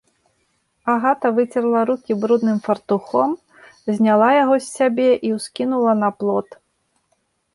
Агата выцерла рукі брудным фартухом, зняла яго з сябе і ўскінула на плот.